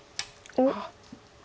あっ。